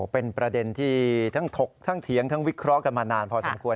เป็นประเด็นที่ทั้งถกทั้งเถียงทั้งวิเคราะห์กันมานานพอสมควร